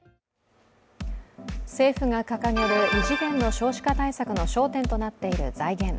政府が掲げる異次元の少子化対策の焦点となっている財源。